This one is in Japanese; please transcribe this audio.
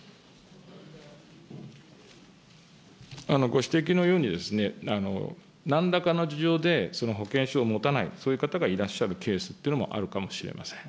ご指摘のように、なんらかの事情で、保険証を持たない、そういう方がいらっしゃるケースというのもあるかもしれません。